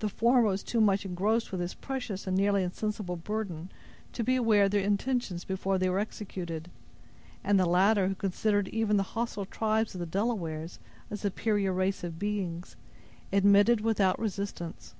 The former was too much engrossed with his precious and nearly insensible burden, to be aware of their intentions before they were executed; and the latter, who considered even the hostile tribes of the Delawares a superior race of beings, submitted without resistance.